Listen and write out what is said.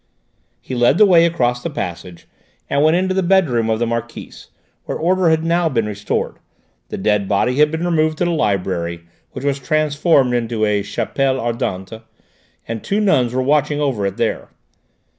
He led the way across the passage and went into the bedroom of the Marquise, where order had now been restored; the dead body had been removed to the library, which was transformed into a chapelle ardente, and two nuns were watching over it there.